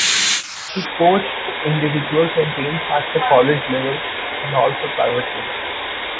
He coached individuals and teams at the college level and also privately.